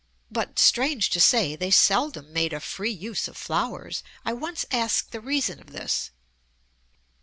But, strange to say, they seldom made a free use of flowers. I once asked the reason of this.